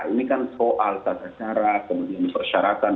ini kan soal tata cara kemudian persyaratan